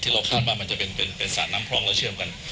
เราคาดว่ามันจะเป็นสระน้ำคลองแล้วเชื่อมกัน